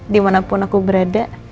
dimana pun aku berada